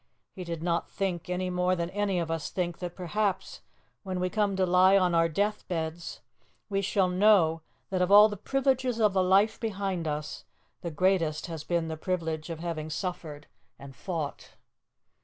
He did not think, any more than any of us think, that perhaps when we come to lie on our death beds we shall know that, of all the privileges of the life behind us, the greatest has been the privilege of having suffered and fought.